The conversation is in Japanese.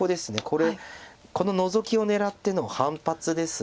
これこのノゾキを狙っての反発です。